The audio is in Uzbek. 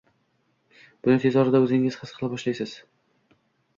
Buni tez orada o’zingiz his qila boshlaysiz.